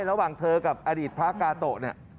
ระหว่างเธอกับอดีตพระกาโตะเนี่ย